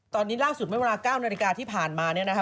ตอนนี้ล่าสุดไม่เวลา๙นาฬิกาที่ผ่านมาเนี่ยนะฮะ